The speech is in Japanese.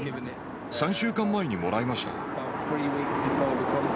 ３週間前にもらいました。